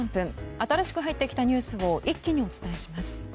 新しく入ってきたニュースを一気にお伝えします。